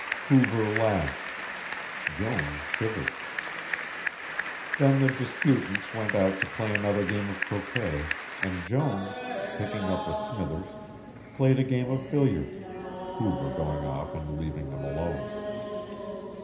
Hoover laughed, Jones shivered. Then the disputants went out to play another game of croquet, and Jones, picking up with Smithers, played a game of billiards, Hoover going off and leaving them alone.